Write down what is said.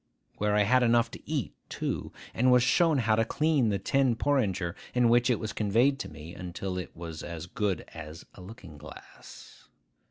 Where I had enough to eat too, and was shown how to clean the tin porringer in which it was conveyed to me, until it was as good as a looking glass.